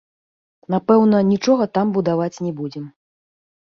Напэўна, нічога там будаваць не будзем.